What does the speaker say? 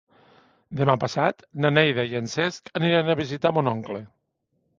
Demà passat na Neida i en Cesc aniran a visitar mon oncle.